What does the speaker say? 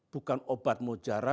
bukan obat mujarab